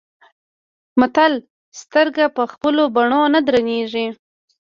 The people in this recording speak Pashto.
متل : سترګه په خپلو بڼو نه درنيږي.